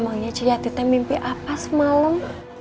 emangnya ciliatita mimpi apa semalam